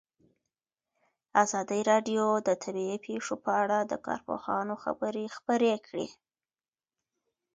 ازادي راډیو د طبیعي پېښې په اړه د کارپوهانو خبرې خپرې کړي.